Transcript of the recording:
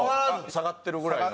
下がってるぐらいの。